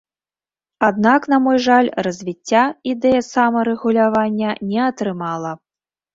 Аднак, на мой жаль, развіцця ідэя самарэгулявання не атрымала.